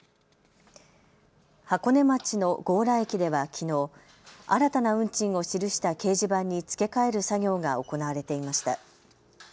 箱根町の強羅駅ではきのう新たな運賃を記した掲示板に付け替える作業が行われていました。